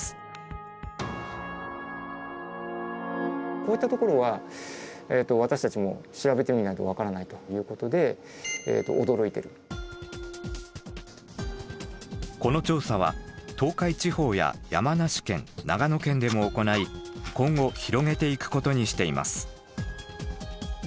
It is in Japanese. こういったところは私たちもこの調査は東海地方や山梨県長野県でも行い今後広げていくことにしています。